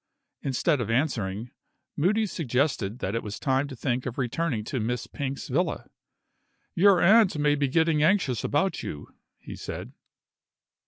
Instead of answering, Moody suggested that it was time to think of returning to Miss Pink's villa. "Your aunt may be getting anxious about you." he said.